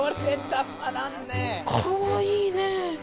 かわいいね！